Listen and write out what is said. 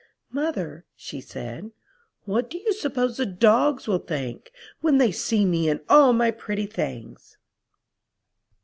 '* 'Mother,' she said, 'what do you suppose the DOGS will think when they see me in all my pretty things